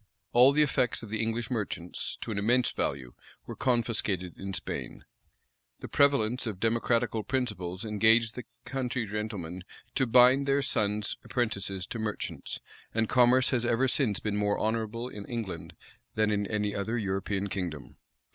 All the effects of the English merchants, to an immense value, were confiscated in Spain. The prevalence of democratical principles engaged the country gentlemen to bind their sons apprentices to merchants;[] and commerce has ever since been more honorable in England than in any other European kingdom.